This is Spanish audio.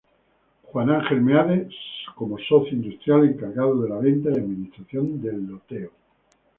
Juan Ángel Meade como Socio Industrial encargado de la venta y administración del loteo.